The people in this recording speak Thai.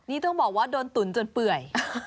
นี่ต้องบอกว่าโดนตุ๋นจนเปื่อย